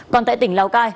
còn tại tỉnh lào cai